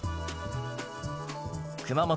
熊本